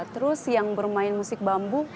terus yang bermain musik bambu